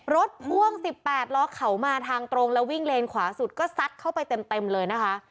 พ่วง๑๘ล้อเขามาทางตรงแล้ววิ่งเลนขวาสุดก็ซัดเข้าไปเต็มเลยนะคะ